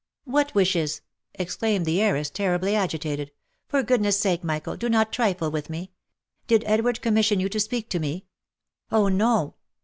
"What wishes?" exclaimed the heiress, terribly agitated, "for goodness sake, Michael, do not trifle with me 1 Did Edward commis sion you to speak to me ?"" Oh, no!